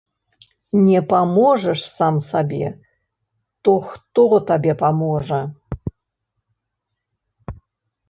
Не паможаш сам сабе, то хто табе паможа!